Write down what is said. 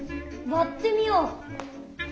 わってみよう。